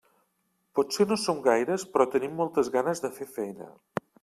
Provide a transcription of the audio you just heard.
Potser no som gaires, però tenim moltes ganes de fer feina.